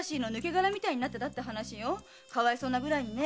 かわいそうなぐらいね。